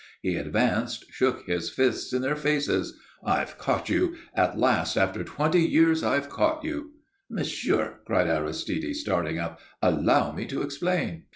He advanced, shook his fists in their faces. "I've caught you! At last, after twenty years, I've caught you!" "Monsieur," cried Aristide, starting up, "allow me to explain."